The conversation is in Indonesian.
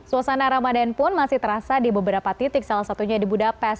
suasana ramadan pun masih terasa di beberapa titik salah satunya di budapest